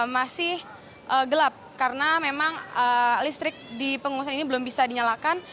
masih gelap karena memang listrik di pengungsian ini belum bisa dinyalakan